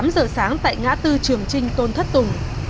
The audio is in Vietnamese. tám giờ sáng tại ngã tư trường trinh tôn thất tùng